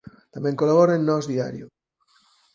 Tamén colabora en Nós Diario.